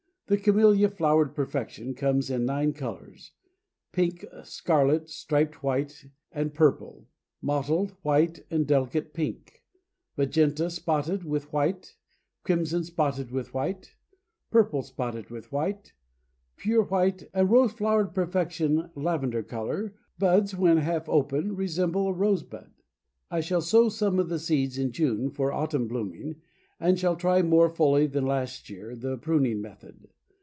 The Camellia Flowered Perfection comes in nine colors; pink, scarlet, striped white and purple, mottled, white and delicate pink, magenta spotted with white, crimson spotted with white, purple spotted with white, pure white, and rose flowered perfection, lavender color, buds when half open, resemble a rosebud. I shall sow some of the seeds in June, for autumn blooming, and shall try more fully than last year the pruning method.